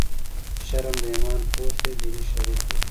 شرم د ایمان پوښ دی دیني شالید لري